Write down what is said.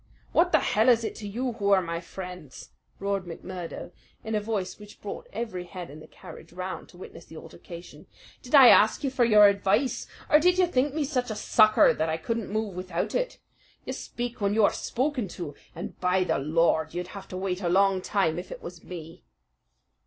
"What the hell is it to you who are my friends?" roared McMurdo in a voice which brought every head in the carriage round to witness the altercation. "Did I ask you for your advice, or did you think me such a sucker that I couldn't move without it? You speak when you are spoken to, and by the Lord you'd have to wait a long time if it was me!"